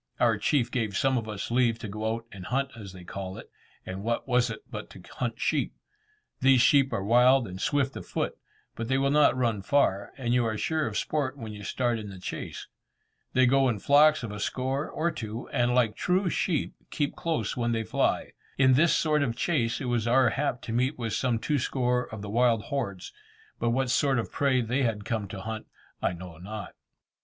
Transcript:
Our chief gave some of us leave to go out and hunt as they call it, and what was it but to hunt sheep! These sheep are wild and swift of foot, but they will not run far, and you are sure of sport when you start in the chase. They go in flocks of a score, or two, and like true sheep, keep close when they fly. In this sort of chase it was our hap to meet with some two score of the wild hordes, but what sort of prey they had come to hunt I know not.